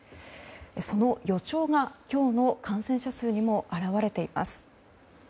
その予兆が今日の感染者数にも表れています。